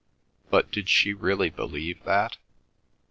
But did she really believe that?